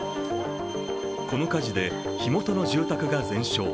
この火事で火元の住宅が全焼。